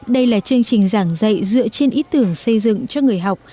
đây là chương trình giảng dạy dựa trên ý tưởng xây dựng cho người học